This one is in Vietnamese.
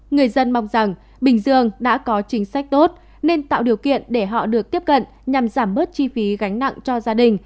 người dân mong rằng bình dương đã có chính sách tốt nên tạo điều kiện để họ được tiếp cận nhằm giảm bớt chi phí gánh nặng cho gia đình